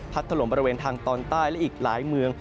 ถล่มบริเวณทางตอนใต้และอีกหลายเมือง